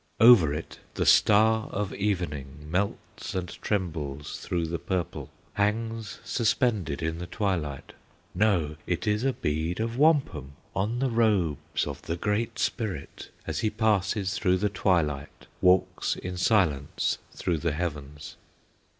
Over it the Star of Evening Melts and trembles through the purple, Hangs suspended in the twilight. No; it is a bead of wampum On the robes of the Great Spirit As he passes through the twilight, Walks in silence through the heavens.